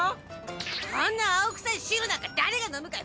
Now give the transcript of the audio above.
こんな青くさい汁なんか誰が飲むかよ